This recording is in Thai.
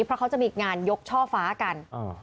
เพราะเขาจะมีงานยกช่อฟ้ากัน